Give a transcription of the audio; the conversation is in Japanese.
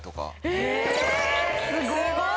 えすごい！